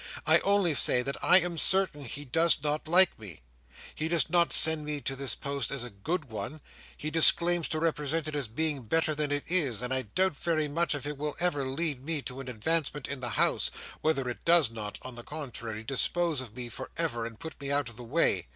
I only say that I am certain he does not like me. He does not send me to this post as a good one; he disclaims to represent it as being better than it is; and I doubt very much if it will ever lead me to advancement in the House—whether it does not, on the contrary, dispose of me for ever, and put me out of the way.